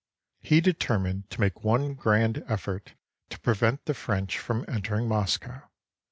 He determined to make one grand effort to prevent the French from entering Moscow.